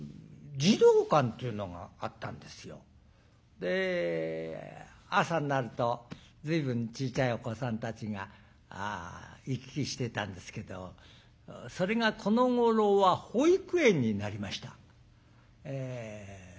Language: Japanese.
で朝になると随分ちいちゃいお子さんたちが行き来してたんですけどそれがこのごろは保育園になりました。